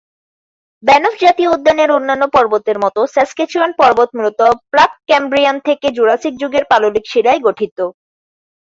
Banff জাতীয় উদ্যানের অন্যান্য পর্বতের মত সাসক্যাচুয়ান পর্বত মূলত প্রাক-ক্যাম্ব্রিয়ান থেকে জুরাসিক যুগের পাললিক শিলায় গঠিত।